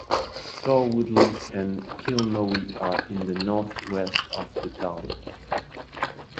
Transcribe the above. Torwoodlee and Kilnknowe are in the north west of the town.